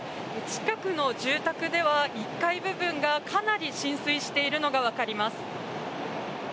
近くの住宅では１階部分がかなり浸水しているのがわかります。